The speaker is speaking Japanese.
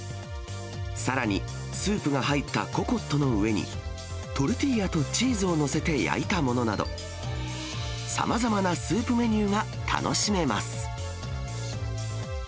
さらにスープが入ったココットの上に、トルティーヤとチーズを載せて焼いたものなど、さまざまなスープメニューが楽しめます。